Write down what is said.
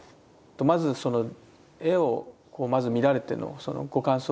まずその絵をまず見られてのそのご感想というか。